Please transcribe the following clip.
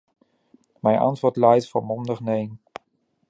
Mijn antwoord luidt volmondig neen.